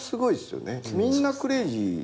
みんなクレイジー。